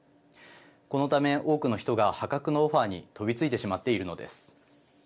このため多くの人が破格のオファーに飛びついてしまっているのです。